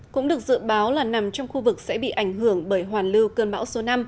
cũng được dự báo là nằm trong khu vực sẽ bị ảnh hưởng bởi hoàn lưu cơn bão số năm